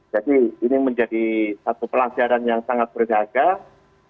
jadi ini menjadi satu pelajaran yang sangat berdagang